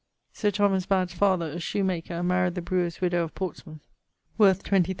Sir Thomas Bad's father, a shoemaker, married the brewer's widow of Portsmouth, worth 20,000 _li.